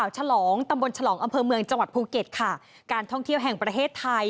ฉลองตำบลฉลองอำเภอเมืองจังหวัดภูเก็ตค่ะการท่องเที่ยวแห่งประเทศไทย